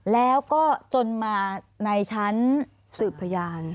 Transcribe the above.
แล้วก็จนมาในชั้นสายของกับสปริญญาติ